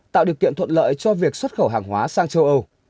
tạo điều kiện thuận lợi cho việc xuất khẩu hàng hóa sang châu âu